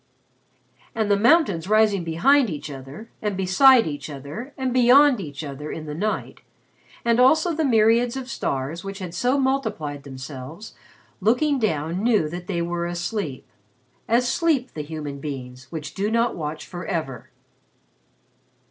And the mountains rising behind each other and beside each other and beyond each other in the night, and also the myriads of stars which had so multiplied themselves, looking down knew that they were asleep as sleep the human things which do not watch forever.